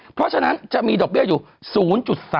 เพราะฉะนั้นจะมีดอกเบี้ยอยู่๐๓